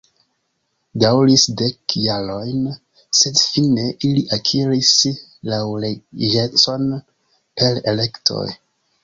Daŭris dek jarojn, sed fine ili akiris laŭleĝecon per elektoj.